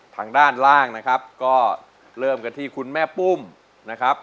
ทางด้านล่างนะครับก็เริ่มกันที่คุณแม่ปุ้มนะครับ